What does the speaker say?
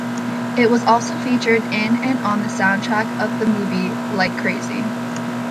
It was also featured in and on the soundtrack of the movie "Like Crazy".